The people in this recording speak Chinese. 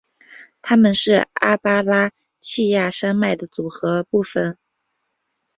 它们是阿巴拉契亚山脉的组成部分。